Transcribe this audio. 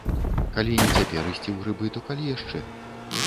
Калі не цяпер ісці ў грыбы, то калі яшчэ.